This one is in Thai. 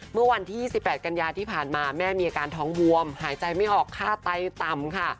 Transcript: เมื่อวันที่๒๘กันยาที่ผ่านมาแม่มีอาการท้องบวมหายใจไม่ออกค่าไตต่ำค่ะ